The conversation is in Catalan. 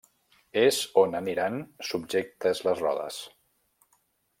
És on aniran subjectes les rodes.